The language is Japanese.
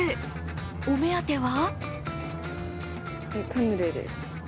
お目当ては？